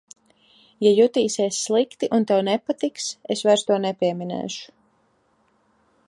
Ja jutīsies slikti un tev nepatiks, es vairs to nepieminēšu.